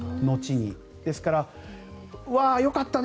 ですからわあ、よかったね！